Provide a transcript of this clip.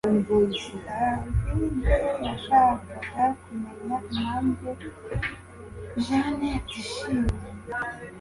David yashakaga kumenya impamvu Jane atishimye